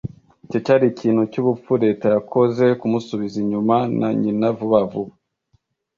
Icyo cyari ikintu cyubupfu leta yakoze, kumusubiza inyuma na nyina vuba vuba.